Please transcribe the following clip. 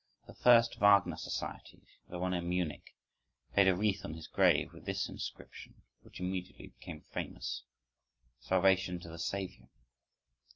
The first Wagner Society, the one in Munich, laid a wreath on his grave with this inscription, which immediately became famous: "Salvation to the Saviour!"